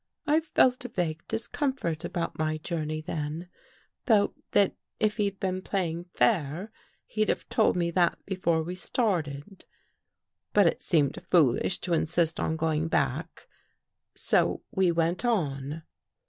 " I felt a vague discomfort about my journey then — felt that if he'd been playing fair, he'd have told me that before we started. But it seemed foolish to insist on going back, so we went on.